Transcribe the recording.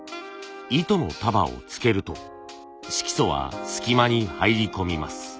糸の束をつけると色素は隙間に入り込みます。